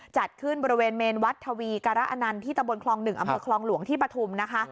จัดขึ้นบริเวณเมนวรรดิการะอนัณที่ตะบลคลองหนึ่งอำเทอร์คลองหลวงที่ปฐมนะคะ